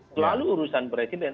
selalu urusan presiden